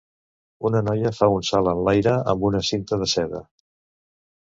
Una noia fa un salt en l'aire amb una cinta de seda.